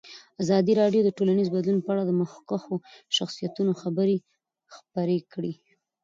ازادي راډیو د ټولنیز بدلون په اړه د مخکښو شخصیتونو خبرې خپرې کړي.